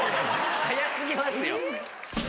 ・はや過ぎますよ！